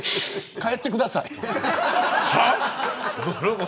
帰ってください。